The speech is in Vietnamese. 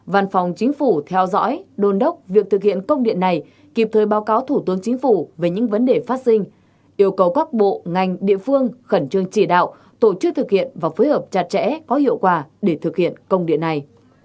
văn phòng chính phủ theo dõi đồn đốc việc thực hiện công điện này kịp thời báo cáo thủ tướng chính phủ về những vấn đề phát sinh yêu cầu các bộ ngành địa phương khẩn trương chỉ đạo tổ chức thực hiện và phối hợp chặt chẽ có hiệu quả để thực hiện công điện này